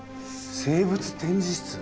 生物展示室？